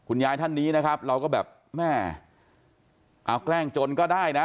ยายท่านนี้นะครับเราก็แบบแม่เอาแกล้งจนก็ได้นะ